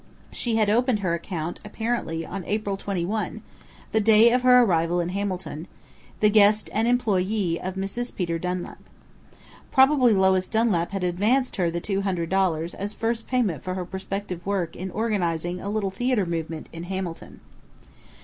She had opened her account, apparently, on April 21, the day of her arrival in Hamilton the guest and employe of Mrs. Peter Dunlap. Probably Lois Dunlap had advanced her the two hundred dollars as first payment for her prospective work in organizing a Little Theater movement in Hamilton.